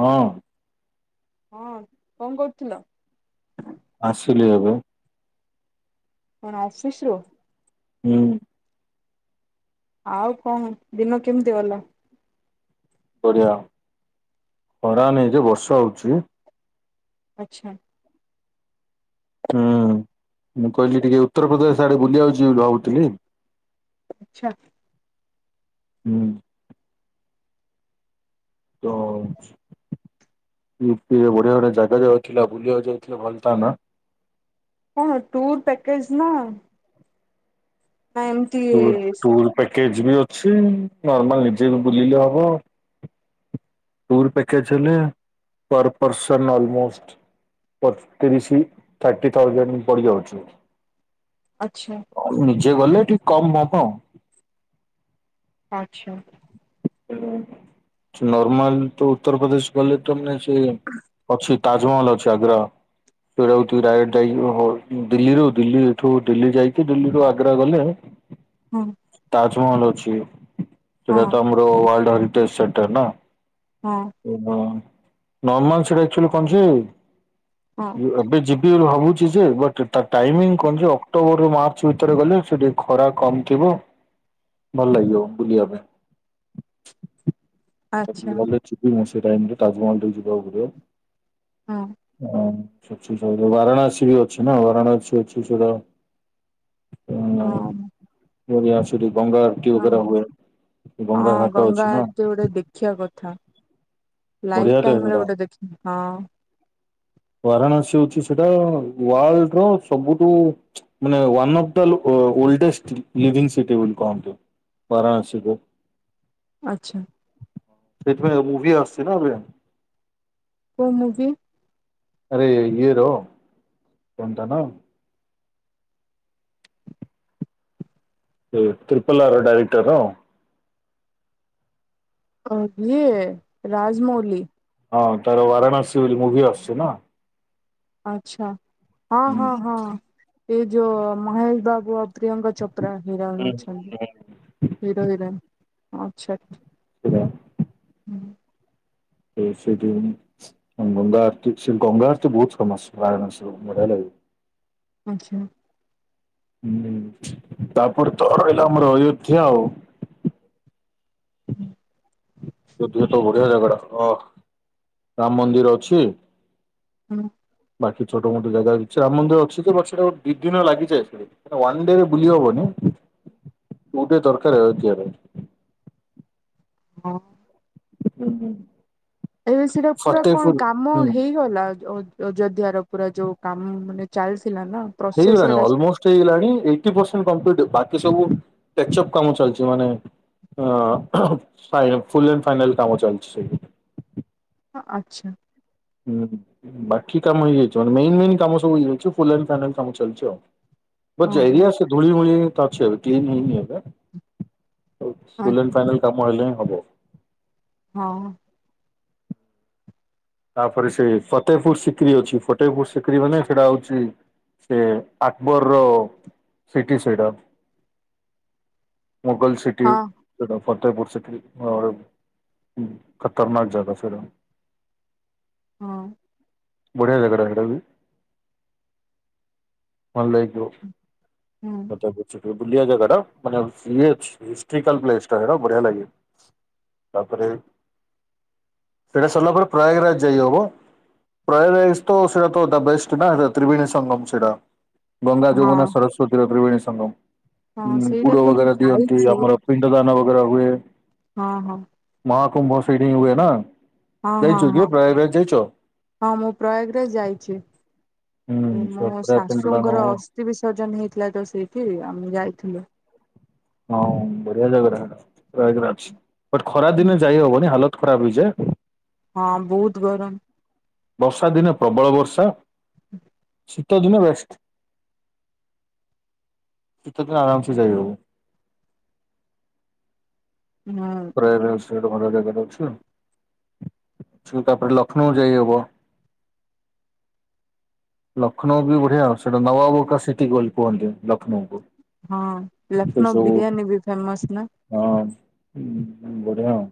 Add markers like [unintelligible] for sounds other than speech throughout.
ହଁ ହଁ କଣ କରୁଥିଲ? ଆସିଲି ଏବେ। କଣ ଅଫିସ ରୁୁ? ହୁଁ ଆଉ କଣ ଦିନ କେମିତି ଗଲା? ବଢିଆ ଖରା ନାଇଁ ଯେ ବର୍ଷା ହଉଛି। ଆଚ୍ଛା ହୁଁ ମୁଁ କହିଲି ଟିକେ ଉତ୍ତରପ୍ରଦେଶ ଆଡେ ବୁଲିିବାକୁ ଜୀଉ ବୋଲି ଭାବୁଥିଲି। ଆଚ୍ଛା ହୁଁ। ତ ୟୁପି ଏବଢିଆ ବଢିଆ ଜାଗା ଯାଇଥିଲା ବୁଲିବାକୁ ଯାଇଥିଲେ ଭଲ ତା ନା? କଣ ଟୁର୍ ପ୍ୟାକେଜ୍ ନା ଟାଇମ୍ ଟୁର୍ ପ୍ୟାକେଜ୍ ବି ଅଛି ନର୍ମାଲ ନିଜେ ବି ବୁଲିଲେ ହବ। ଫୁର୍ ପ୍ୟାକେଜ୍ ହେଲେ ପର୍ ପର୍ସନ୍ ଅଲ୍ ମୋଷ୍ଟ୍ ପତିରିଶ ଥାର୍ଟି ଥାଜେଣ୍ଡ ପଡିଯାଉଚି। ଆଛା। ନିଜେ ଗଲେ ଟିକେ କମ୍ ମହ ଆଉ। ଆଛା। ନର୍ମାଲ୍ ତ ଉତ୍ତରପ୍ରଦେଶ୍ ଗଲେ ତମେ ସେ [unintelligible] ଅଛି ତାଜ୍ ମହଲ୍ ଅଛି ଆଗ୍ରା। ସେୟ ଡାଇରେକ୍ଟ ଯାଇକି ଦିଲ୍ଲୀରୁ ଦିଲ୍ଲୀ ଏଠୁ ଦିଲ୍ଲୀ ଯାଇକି ଦିଲ୍ଲୀରୁ ଆଗ୍ରା ଗଲେ [inaudible] ହୁଁ। ତାଜ୍ ମହଲ୍ ଅଛି ହଁ ସେଟା ତ ଆମର ୱାର୍ଲ୍ଡ ହରିଟେଜ୍ ସେଣ୍ଟର୍ ନା। ହଁ। ନର୍ମାଲ୍ ସେଟା ଏକ୍ଚୁଲି କଣ୍ ହଁ କି ଏବେ ଯି ଭାବୁଛି ଯେ ବଟ୍ ତା ଟାଇମିଂ କଣ ଯେ ଅକ୍ଟୋବର୍ ରୁ ମାର୍ଚ୍ଚ ଭିତରେ ଗଲେ ସେଠି ଖରା କମ୍ ଥିବ ଭଲ ଲାଗିବ ବୁଲିବା ପାଇଁ। ଆଚ୍ଛା ଗଲେ ଯିବି ମୁଁ ସେ ଟାଇମ୍ ରେ। ତାଜମହଲ୍ ଟିକେ ଯିବାକୁ ହଁ ପଡ଼ିବ। ବାରାଣସୀ ବି ଅଛି ନା ବାରାଣାସୀ ଅଛି ସେଟା ହଁ ଅଁ ସେଠି ଗଙ୍ଗା ଆରଟି ହଁ ବଗେରା ହୁଏ ଗଙ୍ଗା ହଁ ଘାଟ ଅଛି ଗଙ୍ଗା ନା ଗୋଟେ ଦେ ଦେଖିବା କଥା ବଢିଆ ଲାଇଫ ଟେ ଟାଇମରେ ସେଟା। ଗୋଟେ ଦେଖି ହଁ ବାରାଣସୀ ହୋଉଚି ସେଟା ୱାର୍ଲଡ୍ ର ସବୁଠୁ ମାନେ one of the oldest living city ବୋଲି କହନ୍ତି। ବାରାଣସୀକୁ ଆଚ୍ଛା ସେଇଥିପାଇଁ ମୁଭି ଆସୁଛି ନା ଏବେ। କୋଉ ମୁଭି? ଆରେ ଇଏର କଣ ତା ନା ସେ ତ୍ରିପଲ୍ ଆର୍ ର ଡାଇରେକ୍ଟର୍ ର। ଅ ଇଏ ରାଜମୌଲି। ହଁ ତାର ବାରାଣସୀ ବୋଲି ମୁଁଭି ଆସୁଛି ନା? ଆଛା ହଁ ହଁ ହଁ ଏ ଯୋ ମହେଶ ବାବୁ ଅ ପ୍ରିୟଙ୍କା ଚୋପ୍ରା ହିରୋଇନ୍ ଅଛନ୍ତି ହିରୋ ହିରୋଇନ୍ ଆଛା। [unintelligible] ହୁଁ। ସେଇଠ ଗଙ୍ଗା ଆରତ ସେ ଗଙ୍ଗା ଆରତ ବହୁତ ଫାମସ ବାରଣସର ବଢିଆ ଲାଗେ। ଆଚ୍ଛା ହୁଁ ତାପରେ ତ ରହିଲା ଆମର ଅୟୋଧ୍ୟା ଆଉ। [unintelligible] ଧ୍ୟା ତ ବଢିଆ ଜାଗା ଟା ରାମ୍ ମନ୍ଦିର ଅଛି। ହୁଁ। ବାକି ଛୋଟ ମୋଟ ଜାଗା ଅଛି ରାମନ୍ଦିର ଅଛି ଯେ ବଟ୍ ସେଟା ଦି ଦିନ ଲାଗିଯାଏ। ୱାନ୍ ଡେ ବୁଲି ହବନି ଟୁ ଡେ ଦରକାରେ ଯିବା ପାଇଁ। ହଁ [unintelligible] ଏବେ ସେଟା ପୁରା କଣ ଫତେପୁର କାମ ହୁଁ ହେଇଗଲା। ଅଯୋଧ୍ୟ ର ପୁରା ଯୋଉ କାମ ମାନେ ଚାଲିଥିଲା ନା ପ୍ରୋସେସରେ ହେଇଗଲାଣି ଏଟା ସ- ଅଲମୋଷ୍ଟ ହେଇଗଲାଣି ଏଇଟି ପସେଣ୍ଟ କଂପ୍ଲିଟ୍ ବାକି ସବୁ ଟେକ୍ଚପ କାମ ଚାଲିଛି ମାନେ ହଁ-ହଁ-ହଁ ଫୁଲ ଆଣ୍ଡ ଫାଇନାଲ କାମ ଚାଲିଛି ସେଇଠି। ହ ଆଚ୍ଛା ହୁଁ ବାକି କାମ ହେଇଯାଇଛି ମାନେ ମେନ୍ ମେନ୍ କାମ ସବୁ ହେଇଯାଉଛି ଫୁଲ ଆଣ୍ଡ ଫାଇନାଲ କାମ ଚାଲିଛି ଆଉ। ପଚା ଓହୋ ଏରିଆ ସେ ଧୂଳି ମୁଳି ତ ଅଛି ଏବେ କ୍ଲିନ ହେଇନି ଏବେ। ଆଉ ଆ- ଫୁଲ ଆଣ୍ଡ ଫାଇନାଲ କାମ ହେଲେ ହଁ ହବ। ହଁ। ତାପରେ ସେ ଫତେଇପୁର ସିକ୍ରି ଅଛି ଫଟେଇପୁର ସିକ୍ରୀ ମାନେ ସେଇଟା ହଉଛି ସେ ଆକବରର ସିଟି ସେଟା। ମୁଗଲସ୍ ସିଟି ହଁ ଫତହପୁର ସିଟି ଖତରନାକ ଜାଗା ସେଟା। ହଁ। ବଢିଆ ଜାଗା ଟା ସେଟା ବି। ଭଲ ଲାଗିବ। ହୁଁ। [unintelligible] ବୁଲିଆ ଜାଗା ଟା ମାନେ ଇଏ ଅଛି ହିଷ୍ଟ୍ରୀକାଲ ପ୍ଲେସ ଟ ସେଟା ବଢିଆ ଲାଗିବ। ତାପରେ ସେଟା ସରିଲା ପରେ ପ୍ରୟାଗରାଜ ଯାଇ ହବ। ପ୍ରାୟଗ ରାଜ୍ ତ ସେଟା ତ ଦ ବେଷ୍ଟ ଟା ସେ ତ୍ରିବେଣୀ ସଙ୍ଗମ ସେଟା। ଗଙ୍ଗା ହଁ ଯମୁନା ସରସ୍ୱତୀର ତ୍ରିବେଣୀ ହଁ ସଂଙ୍ଗମ ସେଇଟା ବୁଡ ତ ମୁଁ ବଗେରା ଦିଅନ୍ତି ଯାଇଛି ଆମର ପି [unintelligible] ହଁ ହଁ। ମହାକୁୁମ୍ଭ ସେଠି ହିଁ ହୁଏ ନା। ହଁ ହଁ ଯାଇଛୁ କି ହଁ ପ୍ରୟାଗରାଜ ଯାଇଛ? ହଁ ମୁଁ ପ୍ରୟାଗରାଜ ଯାଇଚି। ହୁଁ ସେ ମୋ ପୁରା ପିଣ୍ଡ ଦାନ ଶାଶୁଙ୍କର ହୁଏ ଅସ୍ଥି ବିସର୍ଜନ ହେଇଥିଲା ତ ସେଇଠି ଆମେ ଯାଇଥିଲୁ। ହଁ ବଢିଆ ଜାଗା ଟା ସେଟା ପ୍ରୟାଗ୍ ରାଜ୍ ବଟ ଖରା ହୁଁ, ଦିନେ ଯାଇ ହବନି ହାଲତ ଖରାପ ହେଇଯାଏ। ହଁ ବହୁତ ଗରମ ବର୍ଷା ଦିନେ ପ୍ରବଳ ବର୍ଷା ଶୀତ ଦିନେ ବେଷ୍ଟ ଶୀତ ଦିନେ ଆରାମସେ ଯାଇହବ। ହୁଁ। ପ୍ରୟାଗରାଜ ସେଟା ଭଲ ଜାଗାରେ ଅଛି। ଛି ତାପରେ ଲଷ୍ନୌ ଯାଇହବ। ଲକ୍ଷ୍ନୌ ବି ବଢିଆ ସେଟା ନବାବକା ସିଟି ବୋଲି କୁହନ୍ତି ଲକ୍ଷ୍ନୌ କୁ। ହଁ ଲକ୍ଷ୍ନୌ ବିରିୟାନୀ ବି ଫେମସ ନା। ହଁ ଉଁ ବଢିଆ ଆଉ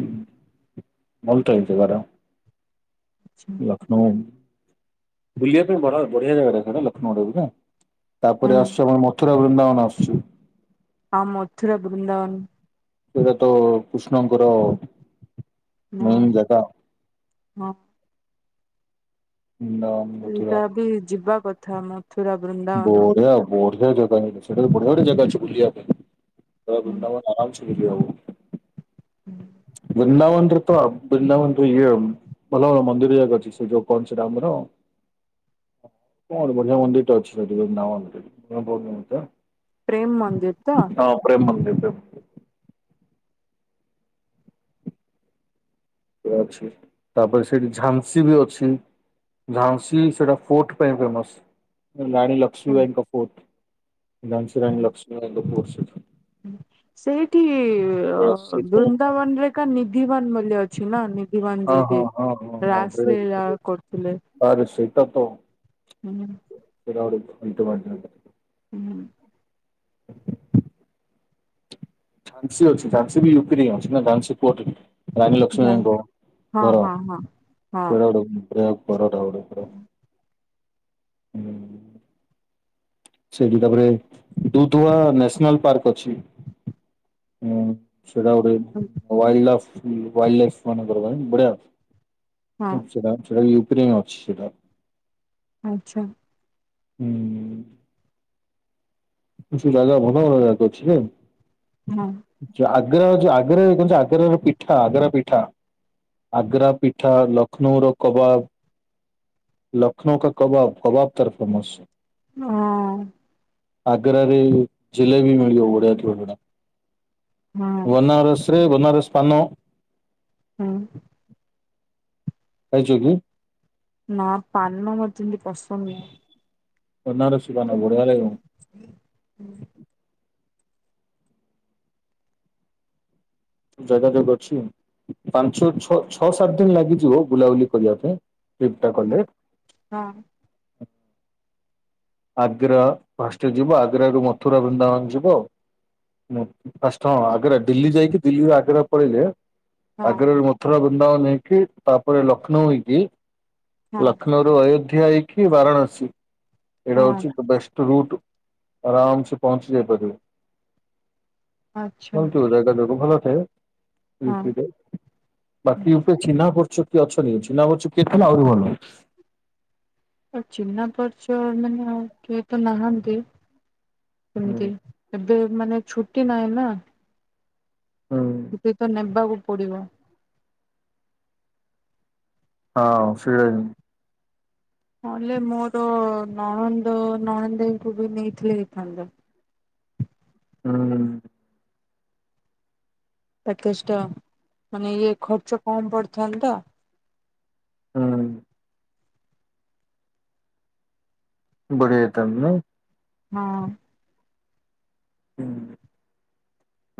[unintelligible] [unintelligible] ହୁଁ ବୁଲିଆ ପାଇଁ ବଡ ବଢିଆ ଜାଗାଟା ସେଟା ଲକ୍ଷ୍ନୌଟା [unintelligible] ତାପରେ ହୁଁ ଆସୁଚି ଆମର ମଥୁରା ବୃନ୍ଦାବନ ଆସୁଚି। ଅ ମଥୁରା ବୃନ୍ଦାବନ ସେଇଟା ତ କୃଷ୍ଣଙ୍କର ହଁ ମେନ୍ ଜାଗା ହଁ। [unintelligible] ସେଟା ବି ଯିବା କଥା ମଥୁରା ବୃ ବଢିଆ ବଢିଆ ଜାଗା ସେଟା ବଢିଆ ବଢିଆ ଜାଗା ଅଛି ବୁଲିଆ ପାଇଁ ରା ହୁଁ ବୃନ୍ଦାବନ। ଆରମସେ ବୁଲି ହେବ। ହୁଁ। ବୃନ୍ଦାବନ ରେ ତ ବୃନ୍ଦାବନଠୁ ଇଏ ଆଉ ଭଲ ଭଲ ମନ୍ଦିର ଯାକ ଅଛି ସେ ଯୋଉ କଣ ସେଟା ଆମର କଣ ବଢିଆ ମନ୍ଦିର ଅଛି ସେଠି ବୃନ୍ଦାବନ ରେ [unintelligible] ପ୍ରେମ ମନ୍ଦିର ତ। ହଁ ପ୍ରେମ ମନ୍ଦିର। ଇଏ ଅଛି ତାପରେ ସେଇଠି ଝାନ୍ସୀ ବି ଅଛି। ଝାନସୀ ସେଟା ଫୋର୍ଟ ପାଇଁ ଫେମସ ରାଣୀ ହଁ ଲକ୍ଷ୍ମୀବାଇଙ୍କ ଫୋର୍ଟ। ଝାନସୀ ରାଣି ଲକ୍ଷ୍ମୀବାଇ ଙ୍କ ଫୋର୍ଟ ସେଠି। ସେଇଠିଅ ସେ ସେଇଥିପାଇଁ ବୃନ୍ଦାବନରେ କା ନିଧିବାନ ମୂଲ୍ୟ ଅଛି ନା ନିଧିବାନ ହଁ ହଁ ଯଉଠି ହଁ ହଁ ହଁ ସେଇଟା ବି ରାସଲୀଳା ଠିକ୍ ଅଛି। କରୁଥିଲେ। ଆରେ ସେଇଟା ତ ହୁଁ। ସେଇଟା ଗୋଟେ [unintelligible] ହୁଁ ଝାନସି ଅଛି ଝାନସି ବି ୟୁପି ରେ ଅଛି ଝାନସୀ ପୋଟ ରଣୀ ଜାଣି ଲକ୍ଷ୍ମୀବାଇଙ୍କ ହଁ ହଁ ହଁ ହଁ। ଘର [unintelligible] ହୁଁ ସେଠି ତାପରେ ଦୁଦୁଆ ନ୍ୟାସନାଲ ପାର୍କ ଅଛି। ସେଇଟା ଗୋଟେ ୱାଲ ଲାଫ ୱାଲ ଲାଇଫ ମାନଙ୍କର ମାନେ ହଁ ସେଟା ସେଟା ୟୁକ୍ରେନ ଅଛି ସେଟା ଆଚ୍ଛା ହୁଁ କିଛ ଜାଗା ଭନ ଭ ଜାକ ଅଛି ଜେ। ହଁ ଆଗ୍ରା ଯୋଉ ଆଗ୍ର କ ଆଗ୍ରାର ପିଠା ଆଗ୍ରା ପିଠା ଆଗ୍ରା ପିଠା ଲଷ୍ନୌର କବାବ ଲଖନୌ କା କବାବ କବା ତାର ଫେମସ ହଁ ଆଗ୍ରାରେ ଜିଲେବି ମିଳିବ ବଢିଆ ଥିବ ଜୋଉଟା ହଁ ବନାରସରେ ବନାରସ ପାାନ ହଁ। ଖାଇଛ କି? ନା ପାନ ମତେ ଏମିତି ପସନ୍ଦ ନୁହ। ବାନରସି ପାନ ବଢ଼ିଆ ଲାଗିବ। ହ ହୁଁ ଯୋଗାାଯୋଗ ଅଛି ପାଞ୍ଚ ଛଅ ଛଅ ସାତ ଦିନ ଲାଗିଯିବ ବୁଲାବୁଲି କରିବା ପାଇଁ ଠିକ୍ ତ କଲେ ହଁ ଆଗ୍ରା ଫଷ୍ଟେ ଯିବ ଆଗ୍ରା ରୁ ମଥୁରା ବୃନ୍ଦାବନ ଯିବ ପାଷ୍ଟ ହଁ ଆଗ୍ରା ଦିଲ୍ଲୀ ଯାଇକି ଦିଲ୍ଲୀ ଆଗ୍ରା ପଳେଇଲେ ହଁ ଆଗ୍ରରୁ ମଥୁର ବୃନ୍ଦାବନ ନେଇକି ତାପରେ ଲକ୍ଷ୍ନୌ ହେଇକି ହଁ ଲକ୍ଷ୍ନୌ ଆ ଅଯୋଧ୍ୟା ହେଇକି ବାରାଣସୀ ଏଇଟା ହଁ ହେଉଛି ତ ବେଷ୍ଟ ରୁଟ୍ ଆରାମ ସେ ପହଞ୍ଚି ଯାଇପାରିବ। ଆଚ୍ଛା [unintelligible] ଜଗା ଯାକ ଭଲ ଥାଏ ୟୁ ହଁ ପି ରେ ବାକି ୟୁ ପି ରେ ଚିହ୍ନା ପରିଚୟ କିଏ ଅଛନ୍ତିି ଚିହ୍ନା ପରିଚୟ କିଏ ଥିଲେ ଆହୁରି ଭଲ ଆ ଚିହ୍ନା ପାରିଚୟ ମାନେ ଆଉ କିଏ ତ ନାହାନ୍ତି ହୁଁ କେମିତି? ଏବେ ମାନେ ଛୁଟି ନାହିଁ ନା ହଁ। ତତେ ତ ନେବାକୁ ପଡିବ। ହଁ ସେ [unintelligible] ନହଲେ ମୁଁ ତୋ ନଣନ୍ଦ ନଣନ୍ଦଙ୍କୁ ବି ନେଇଥିଲେ ହେଇଥାନ୍ତା। ହୁଁ। ପ୍ୟାକେଜ ଟା ମାନେ ଇଏ ଖର୍ଚ୍ଚ କମ ପଡିଥାନ୍ତା। ହୁଁ। ବଢିଆ ହେଇଥାନ୍ତା ନାଇଁ। ହଁ। ହୁଁ।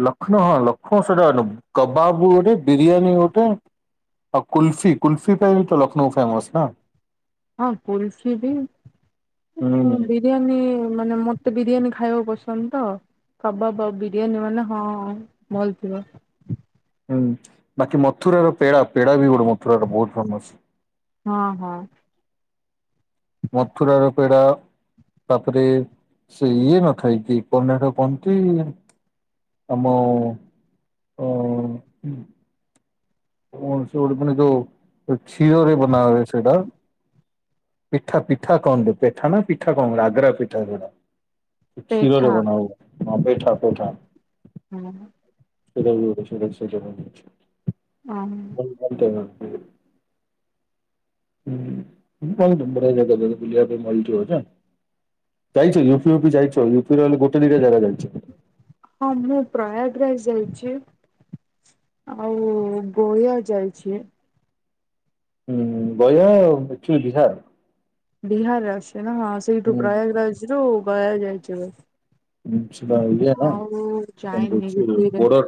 ଲଖନୌ ହଁ ଲଖନୌ ସେଟା ନବୁ କବାବ ଗୋଟେ ବିରିୟାନୀ ଗୋଟେ ଆଉ କୁଲ୍ଫୀ କୁଲ୍ଫୀ ପାଇଁ ତ ଲଖନୌ ଫେମସ ନା। ହଁ କୁଲ୍ଫି ପାଇଁ ହୁଁ ମୁଁ ବି ବିରିୟାନୀ ମାନେ ମତେ ବିରିୟାନୀ ଖାଇବାକୁ ପସନ୍ଦ ତ। କବାବ ଆଉ ବିରିୟାନୀ ମାନେ ହଁ ଭଲ୍ ଥିବ। ହୁଁ ବାକି ମଥୁରାର ପେଡା ପେଡା ବି ଗୋଟେ ମଥୁରାର ବହୁତ ଫେମସ। ହଁ ହଁ। ମଥୁରା ର ପେଡ଼ା ତାପରେ ସେ ଇଏ ନଖାଇକି କି କଣ ତ ହେଟା କହନ୍ତି ଆମ ଅ କୌଣସି ଗୋଟେ ଦିନ ଯୋଉ କ୍ଷୀରରେ ବନା ହୁଏ ସେଇଟା ପିଠା ପିଠା କହନ୍ତି ପେଠା ନା ପିଠା କଣ ଗୋଟେ ଆଗ୍ରା ପିଠା ଯୋଉରା। କ୍ଷୀରରେ ପେଠା ବନା ହୁଏ ପେଠା ପେଠା ହୁଁ। ସେଇଟା ବି ହଁ ଗୋଟେ [unintelligible] ହୁଁ [unintelligible] ବୁଲିବା ପାଇଁ ଭଲ ଥିବା ଯେ। ଯାଇଛ କି ୟୁପି ଫ୍ୟୁପି ଯାଇଛ ୟୁିପିରେ ହେଲେ ଗୋଟେ ଦିଇଟା ଜାଗା ଯାଇଛ। ହଁ ମୁଁ ପ୍ରୟାଗରାଜ ଯାଇଛି। ଆଉ ଗୋୟା ଯାଇଛି। ହୁଁ ଗୟା ଏଠି ବିହାର? ବିହାର ରେ ଆସୁଛି ନା ହଁ ସେଇଠୁ ପ୍ରୟାଗ ହୁଁ ରାଜରୁ ଗୟା ସେଟା ଯାଇଛୁ। ଇଏ ନା ଆଉ କଣ ଯାଇନି କହୁଛି ୟୁପିରେ ବୋର୍ଡର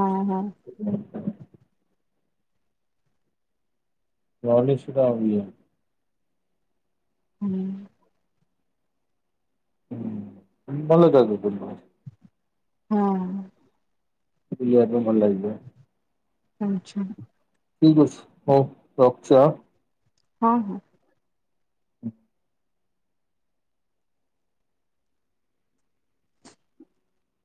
ହଁ ହଁ। ହୁଁ। [unintelligible] ହୁଁ। ହୁଁ ଭଲ ଜାଗା କିନ୍ତୁ। ହଁ। ବୁଲିବା ପାଇଁ ଭଲ ଲାଗିବ। ଆଚ୍ଛା। ଠିକ ଅଛି ହଉ ରଖୁଛି ଆଁ। ହଁ ହଁ।